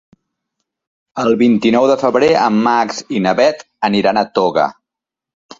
El vint-i-nou de febrer en Max i na Bet aniran a Toga.